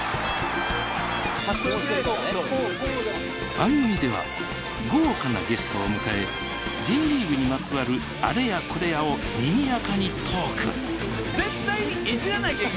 番組では豪華なゲストを迎えＪリーグにまつわるあれやこれやをにぎやかにトーク！